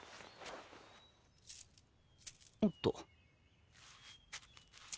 おっと。